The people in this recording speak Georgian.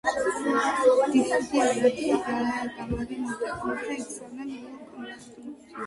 ხიდი არაერთხელ გაარემონტეს, თუმცა იცავდნენ ძველ კონსტრუქციას.